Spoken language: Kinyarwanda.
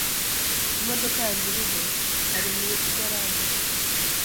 "Imodoka yanjye iri he?" "Ari mu igaraje."